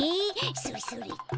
それそれっと。